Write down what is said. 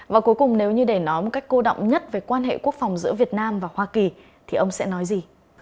và cuối cùng nếu như để nói một cách cô động nhất về quan hệ quốc phòng giữa việt nam và hoa kỳ thì ông sẽ nói gì